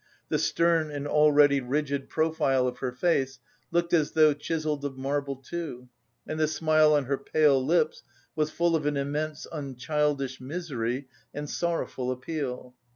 The stern and already rigid profile of her face looked as though chiselled of marble too, and the smile on her pale lips was full of an immense unchildish misery and sorrowful appeal.